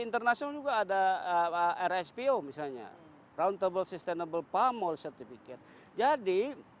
internasional ada rspo misalnya round table sustainable palm oil certificate jadi